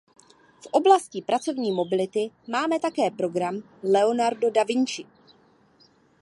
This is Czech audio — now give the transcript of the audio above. V oblasti pracovní mobility máme také program Leonardo da Vinci.